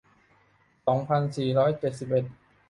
สองพันสี่ร้อยเจ็ดสิบเอ็ด